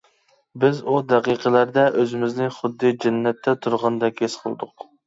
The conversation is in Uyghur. بىز ئۇ دەقىقىلەردە ئۆزىمىزنى خۇددى جەننەتتە تۇرغاندەك ھېس قىلدۇق.